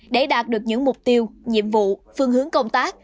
để đạt được những mục tiêu nhiệm vụ phương hướng công tác